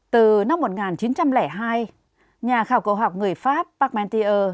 từ năm một nghìn chín trăm linh hai nhà khảo cậu học người pháp parmentier